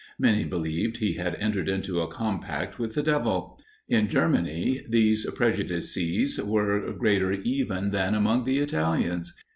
Many believed he had entered into a compact with the devil. In Germany these prejudices were greater even than among the Italians.